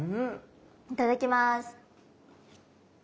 いただきます。